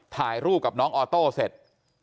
ถ่ายรูปกับน้องออโต้เสร็จ